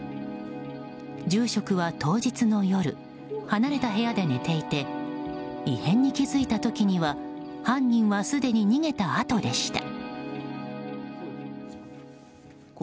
住職は当日の夜離れた部屋で寝ていて異変に気づいた時には犯人はすでに逃げたあとでした。